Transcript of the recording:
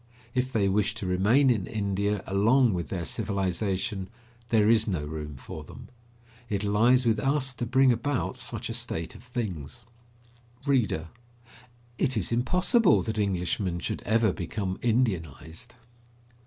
If they wish to remain in India along with their civilization, there is no room for them. It lies with us to bring about such a state of things. READER: It is impossible that Englishmen should ever become Indianised.